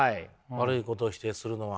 悪いことを否定するのは。